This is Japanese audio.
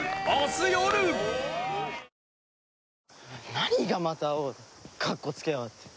何が「また会おう」だかっこつけやがって。